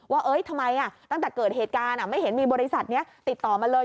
ว่าทำไมตั้งแต่เกิดเหตุการณ์ไม่เห็นมีบริษัทนี้ติดต่อมาเลย